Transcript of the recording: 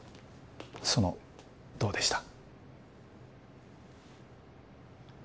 そのどうでした？